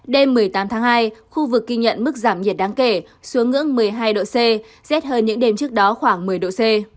đêm một mươi tám tháng hai khu vực ghi nhận mức giảm nhiệt đáng kể xuống ngưỡng một mươi hai độ c rét hơn những đêm trước đó khoảng một mươi độ c